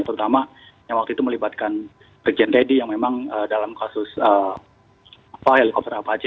terutama yang waktu itu melibatkan brigjen teddy yang memang dalam kasus helikopter apa aja